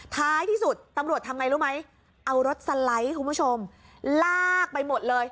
ท้ายที่สุดตำรวจทำไงรู้ไหมเอารถสไลด์คุณผู้ชมลากไปหมดเลย